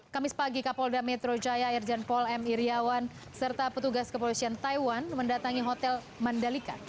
kamis pagi kapolda metro jaya irjen pol m iryawan serta petugas kepolisian taiwan mendatangi hotel mandalika